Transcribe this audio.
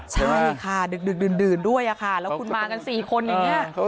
ใช่ค่ะดึกดื่นด้วยค่ะแล้วคุณมากัน๔คนอย่างนี้